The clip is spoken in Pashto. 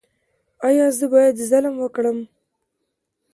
ایا زه باید ظلم وکړم؟